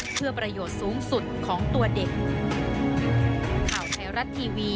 เพื่อประโยชน์สูงสุดของตัวเด็ก